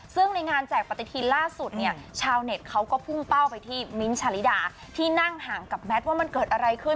ซึ่งในงานแจกปฏิทินล่าสุดเนี่ยชาวเน็ตเขาก็พุ่งเป้าไปที่มิ้นท์ชาลิดาที่นั่งห่างกับแมทว่ามันเกิดอะไรขึ้น